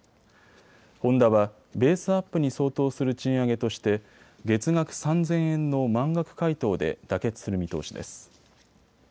ホンダはベースアップに相当する賃上げとして月額３０００円の満額回答で妥結する見通しです。